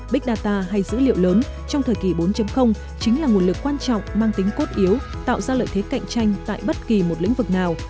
big data hay dữ liệu lớn trong thời kỳ bốn chính là nguồn lực quan trọng mang tính cốt yếu tạo ra lợi thế cạnh tranh tại bất kỳ một lĩnh vực nào